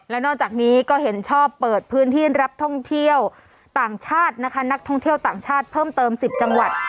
และนอกจากนี้ก็เห็นชอบเปิดพื้นที่รับท่องเที่ยวต่างชาตินะคะนักท่องเที่ยวต่างชาติเพิ่มเติม๑๐จังหวัด